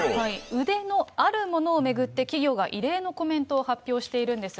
腕のあるものを巡って、企業が異例のコメントを発表しているんです。